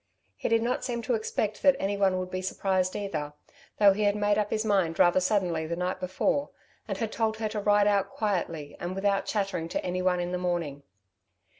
He did not seem to expect that anyone would be surprised either, though he had made up his mind rather suddenly the night before, and had told her to ride out quietly and without chattering to anyone in the morning.